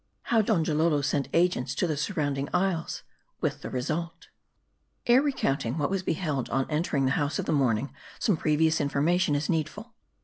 HOW DONJALOLO, SENT AGENTS TO THE SURROUNDING ISLES J WITH 1 THE RESULT. ,>'.'* ERE recounting what was beheld 'on entering the House of the Morning, some previous information is needful.